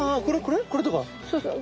そうそう。